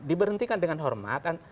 diberhentikan dengan hormat